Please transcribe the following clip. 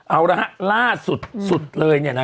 เอาล่ะครับล่าสุดเลยนะฮะ